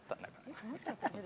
楽しかったけど。